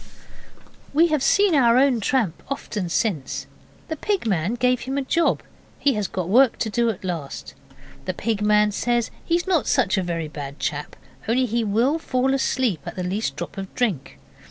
We have seen our own tramp often since. The Pig man gave him a job. He has got work to do at last. The Pig man says he is not such a very bad chap, only he will fall asleep after the least drop of drink.